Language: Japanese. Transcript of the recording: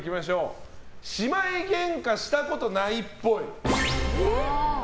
姉妹ゲンカしたことないっぽい。